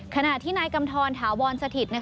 ขณะที่นายกำทรถาวรสถิตรนะคะ